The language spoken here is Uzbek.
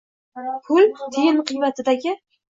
Pul, tiyin qiymatidagi